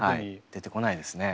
出てこないですね。